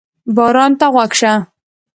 باران ته غوږ شه.